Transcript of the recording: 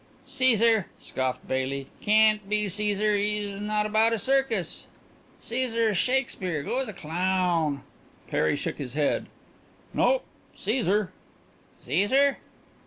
"Caesar!" scoffed Baily. "Can't be Caesar! He is not about a circus. Caesar's Shakespeare. Go as a clown." Perry shook his head. "Nope; Caesar." "Caesar?"